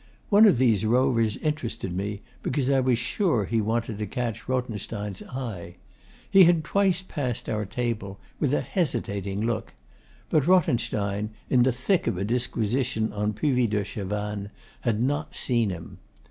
One of these rovers interested me because I was sure he wanted to catch Rothenstein's eye. He had twice passed our table, with a hesitating look; but Rothenstein, in the thick of a disquisition on Puvis de Chavannes, had not seen him.